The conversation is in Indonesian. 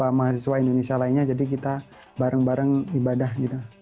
sama mahasiswa indonesia lainnya jadi kita bareng bareng ibadah gitu